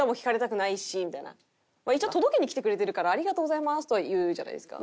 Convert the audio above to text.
一応届けに来てくれてるから「ありがとうございます」とは言うじゃないですか。